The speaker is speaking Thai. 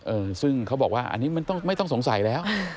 เออซึ่งเขาบอกว่าอันนี้มันต้องไม่ต้องสงสัยแล้ว